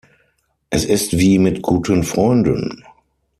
Es ist wie mit guten Freunden.